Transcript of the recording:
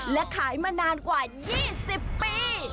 และขายมานานกว่า๒๐ปี